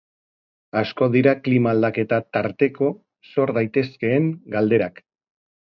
Asko dira klima aldaketa tarteko sor daitezkeen galderak.